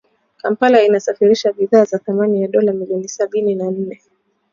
Kampala inasafirisha bidhaa za thamani ya dola milioni sabini na nne